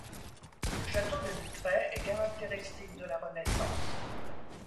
Le Château de Nitray est caractéristique de la Renaissance.